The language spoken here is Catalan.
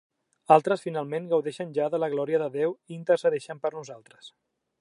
Altres, finalment, gaudeixen ja de la glòria de Déu i intercedeixen per nosaltres.